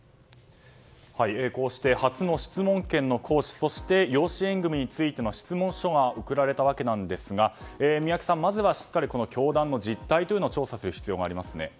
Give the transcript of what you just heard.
こうして初の質問権の行使養子縁組についての質問書が送られたわけなんですが宮家さん、まずはしっかり教団の実態を調査する必要がありますね。